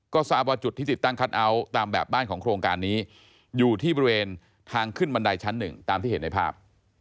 ก็ทราบว่าจุดที่ติดตั้งคัทเอาท์ตามแบบบ้านของโครงการนี้อยู่ที่บริเวณทางขึ้นบันไดชั้นหนึ่งตามที่เห็นในภาพ